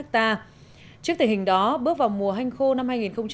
trước tình hình đó bước vào mùa hanh khô năm hai nghìn một mươi bảy hai nghìn một mươi tám